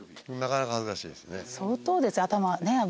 相当ですよ。